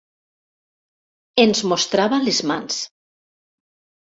Ens mostrava les mans.